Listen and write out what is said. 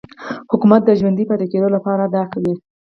حکومت د ژوندي پاتې کېدو لپاره دا کوي.